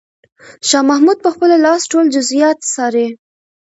شاه محمود په خپله لاس ټول جزئیات څاري.